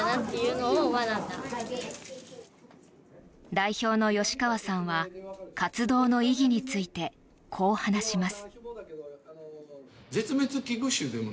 代表の吉川さんは活動の意義についてこう話します。